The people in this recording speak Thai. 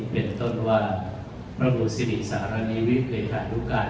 เป็นต้นว่าพระบุษฎีสารณีวิเวภิษฐานุกาศ